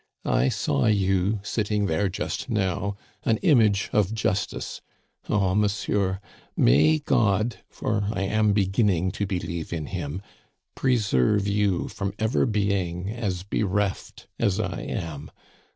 I saw you, sitting there just now, an Image of Justice. Oh! monsieur, may God for I am beginning to believe in Him preserve you from ever being as bereft as I am!